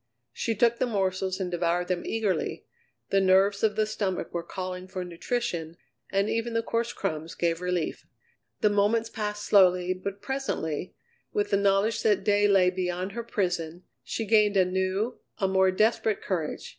She took the morsels and devoured them eagerly; the nerves of the stomach were calling for nutrition, and even the coarse crumbs gave relief. The moments passed slowly, but presently, with the knowledge that day lay beyond her prison, she gained a new, a more desperate courage.